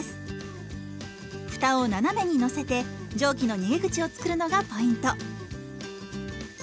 ふたを斜めにのせて蒸気の逃げ口を作るのがポイント。